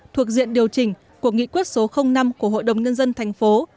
thuộc diện điều chỉnh của nghị quyết số năm của hội đồng nhân dân thành phố